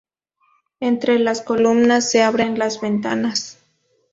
Entre las columnas se abren las ventanas.